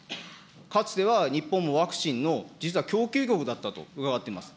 かつては日本もワクチンの実は供給国だと伺っています。